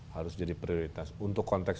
harus jadi prioritas untuk konteks